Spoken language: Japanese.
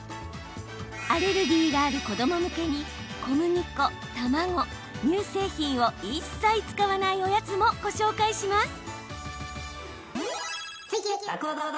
アレルギーがある子ども向けに小麦粉、卵、乳製品を一切使わないおやつもご紹介します。